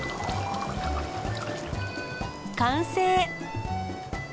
完成。